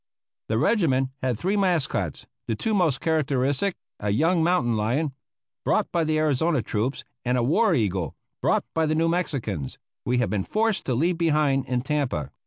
The regiment had three mascots; the two most characteristic a young mountain lion brought by the Arizona troops, and a war eagle brought by the New Mexicans we had been forced to leave behind in Tampa.